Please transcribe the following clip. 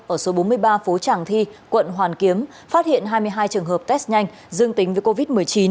ở số bốn mươi ba phố tràng thi quận hoàn kiếm phát hiện hai mươi hai trường hợp test nhanh dương tính với covid một mươi chín